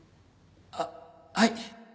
あっはい